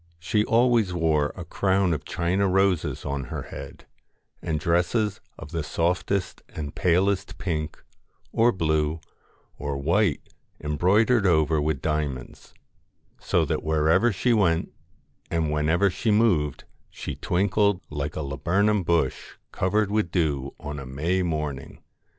She always wore a crown of China roses on her head, and dresses of the softest and palest pink, or blue, or white embroidered over with diamonds ; so that wherever she went and whenever she moved she twinkled like a laburnum bush covered with dew on a May morning.